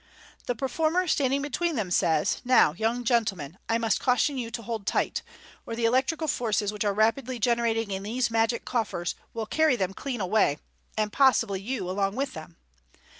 The performer, standing between them, says, " Now, young gentlemen, I must caution you to Fig. 163. 334 MODERN MAGTC. hold tight, or the electrical forces which are rapidly generating in these magic coffers will carry them clean away, and possibly you along with them.